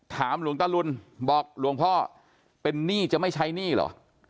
หลวงตะลุนบอกหลวงพ่อเป็นหนี้จะไม่ใช้หนี้เหรอ